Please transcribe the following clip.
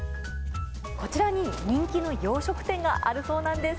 こちらに人気の洋食店があるそうなんです。